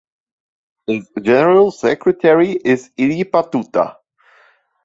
Its general secretary is Illipa Tuta.